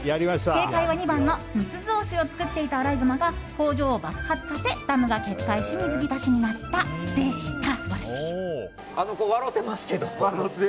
正解は２番の密造酒を造っていたアライグマが工場を爆発させダムが決壊し水浸しになったでした。